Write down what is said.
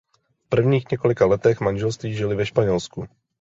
V prvních několika letech manželství žili ve Španělsku.